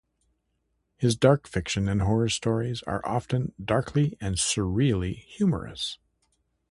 His science fiction and horror stories are often darkly and surreally humorous.